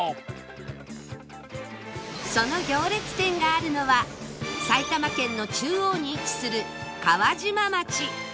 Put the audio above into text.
その行列店があるのは埼玉県の中央に位置する川島町